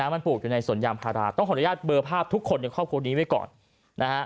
มันปลูกอยู่ในสวนยางพาราต้องขออนุญาตเบอร์ภาพทุกคนในครอบครัวนี้ไว้ก่อนนะฮะ